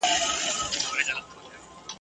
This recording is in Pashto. د اکټوبر پر اوومه نېټه ..